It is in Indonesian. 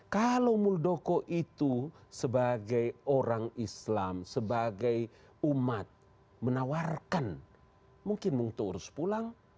kalau muldoko itu sebagai orang islam sebagai umat menawarkan mungkin mungturus pulang